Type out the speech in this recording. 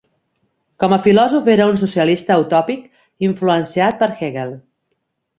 Com a filòsof, era un socialista utòpic, influenciat per Hegel.